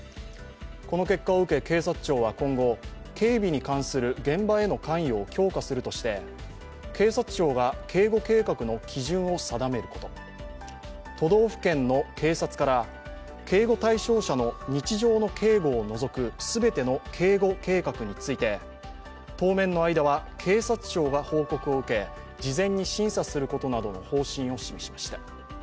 この結果を受け、警察庁は今後警備に関する現場への関与を強化するとして、警察庁が警護計画の基準を定めること、都道府県の警察から警護対象者の日常の警護を除く全ての警護計画について、当面の間は警察庁が報告を受け事前に審査することなどの方針を示しました。